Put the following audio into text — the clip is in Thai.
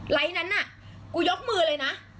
นั้นน่ะกูยกมือเลยนะ